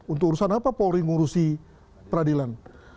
untuk urusan apa polri mengurusi peradilan